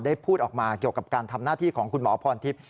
พูดออกมาเกี่ยวกับการทำหน้าที่ของคุณหมอพรทิพย์